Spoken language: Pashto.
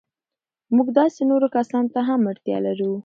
موږ داسې نورو کسانو ته هم اړتیا لرو.